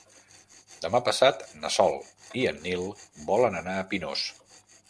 Demà passat na Sol i en Nil volen anar a Pinós.